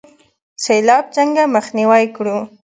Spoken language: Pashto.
سیلاب څنګه مخنیوی کړو؟